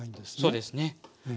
そうですね。